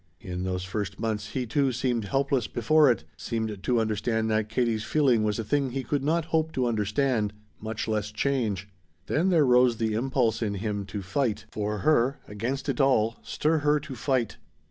In those first months he, too, seemed helpless before it, seemed to understand that Katie's feeling was a thing he could not hope to understand much less, change. Then there rose in him the impulse to fight, for her, against it all, stir her to fight.